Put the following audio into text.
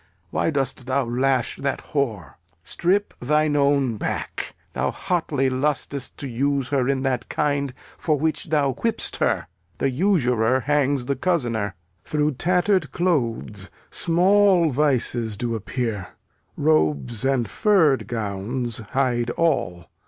Why dost thou lash that whore? Strip thine own back. Thou hotly lusts to use her in that kind For which thou whip'st her. The usurer hangs the cozener. Through tatter'd clothes small vices do appear; Robes and furr'd gowns hide all.